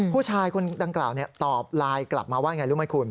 ผู้ชายคนดังกล่าวตอบไลน์กลับมาว่าอย่างไรรู้ไหมคุณ